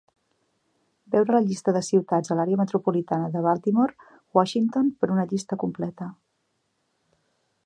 "Veure la llista de ciutats a l'àrea metropolitana de Baltimore-Washington per una llista completa.